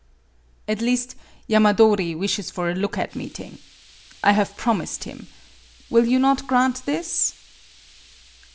" At least, Yamadori wishes for a look at meeting. I have promised him. Will you not grant this